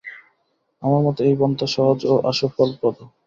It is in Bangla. আমার মতে, এই পন্থা সহজ ও আশুফলপ্রদ।